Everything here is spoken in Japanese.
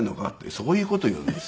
そういう事言うんですよ。